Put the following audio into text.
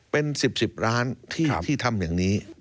เป็น๑๐๑๐ล้านที่ทำอย่างนี้